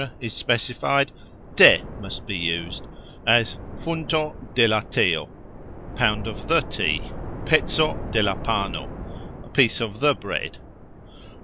is specified, "de" must be used, as "Funto de la teo", A pound of the tea; "Peco de la pano", A piece of the bread.